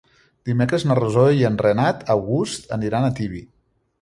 Dimecres na Rosó i en Renat August aniran a Tibi.